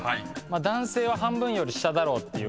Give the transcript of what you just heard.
男性は半分より下だろうっていう考えで。